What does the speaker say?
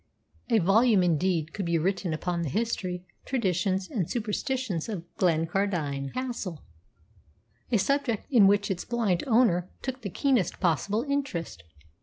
A volume, indeed, could be written upon the history, traditions, and superstitions of Glencardine Castle, a subject in which its blind owner took the keenest possible interest.